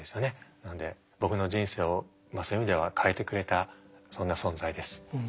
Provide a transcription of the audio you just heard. なので僕の人生をそういう意味では変えてくれたそんな存在です。